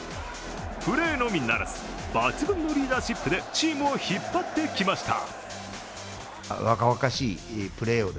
プレーのみならず抜群のリーダーシップでチームを引っ張ってきました。